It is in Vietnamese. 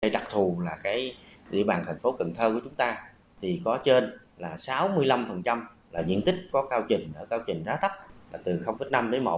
đặc thù là địa bàn thành phố cần thơ của chúng ta thì có trên là sáu mươi năm là diện tích có cao trình ở cao trình giá thấp là từ năm đến một